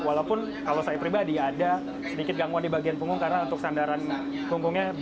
walaupun kalau saya pribadi ada sedikit gangguan di bagian punggung karena untuk sandaran punggungnya